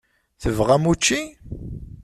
Tebɣam učči?